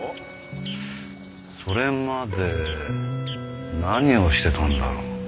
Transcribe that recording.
それまで何をしてたんだろう？